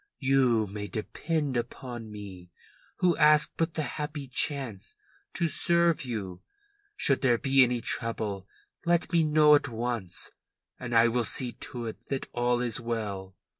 You may depend upon me, who ask but the happy chance to serve you. Should there be any trouble, let me know at once, and I will see to it that all is well.